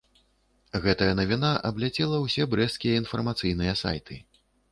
Гэтая навіна абляцела ўсе брэсцкія інфармацыйныя сайты.